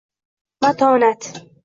Matonat.